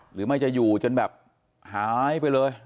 หรือไม่จะอยู่จนแบบหายไปเลย